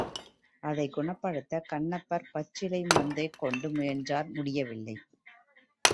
அதைக் குணப்படுத்தக் கண்ணப்பர் பச்சிலை மருந்தைக் கொண்டு முயன்றார் முடியவில்லை.